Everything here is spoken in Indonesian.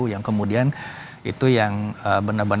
yang kemudian itu yang benar benar kita mau sampaikan kepada pemerintah daerah